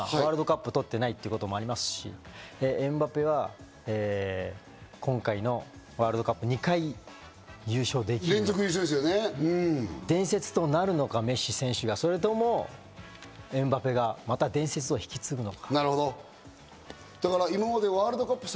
ワールドカップを取っていないということもありますし、エムバペは今回のワールドカップ、２回優勝できるのか、伝説となるのか、メッシ選手が。それともエムバペが伝説を引き継ぐのか。